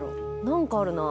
何かあるな。